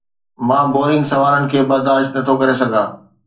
مان بورنگ سوالن کي برداشت نٿو ڪري سگهان